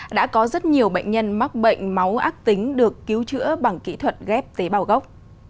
đã có rất nhiều bệnh nhân mắc bệnh máu ác tính được cứu chữa bằng kỹ thuật ghép tế bào gốc